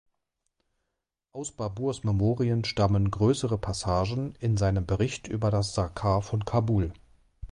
Aus Baburs Memoiren stammen größere Passagen in seinem Bericht über das Sarkar von Kabul.